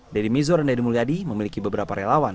deddy mizor dan deddy mulyadi memiliki beberapa relawan